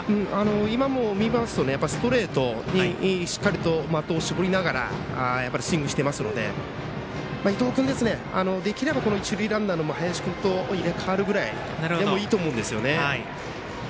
今も見ますとストレートにしっかりと的を絞りながらスイングしていますので伊藤君、できれば一塁ランナーの林君と入れ代わるぐらいでもいいと思うんですよね。